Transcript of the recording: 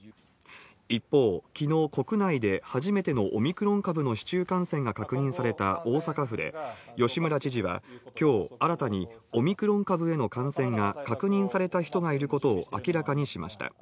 一方、きのう、国内で初めてのオミクロン株の市中感染が確認された大阪府で、吉村知事はきょう、新たにオミクロン株への感染が確認された人がいることを明らかにしました。